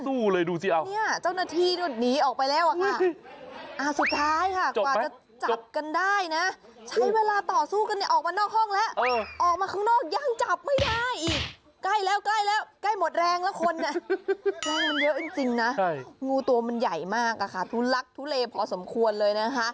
ดูสิดูสิดูสิดูสิ